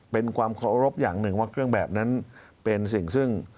เป็นความเคารพอย่างหนึ่งว่าเครื่องแบบนั้นเป็นสิ่งซึ่ง